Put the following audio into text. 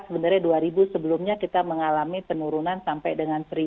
sebenarnya dua sebelumnya kita mengalami penurunan sampai dengan satu